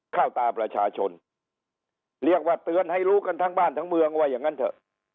ตาประชาชนเรียกว่าเตือนให้รู้กันทั้งบ้านทั้งเมืองว่าอย่างนั้นเถอะ